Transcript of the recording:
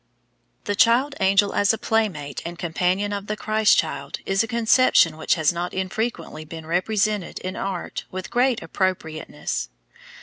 ] The child angel as a playmate and companion of the Christ child is a conception which has not infrequently been represented in art with great appropriateness.